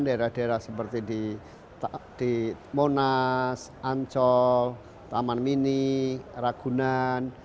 daerah daerah seperti di monas ancol taman mini ragunan